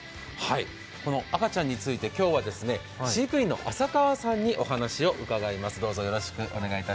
この赤ちゃんについて飼育員の浅川さんに話を伺います。